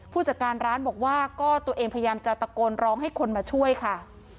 ผู้จัดการร้านบอกว่าก็ตัวเองพยายามจะตะโกนร้องให้คนมาช่วยค่ะ